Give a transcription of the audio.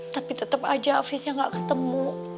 tapi tetep aja hafiznya gak ketemu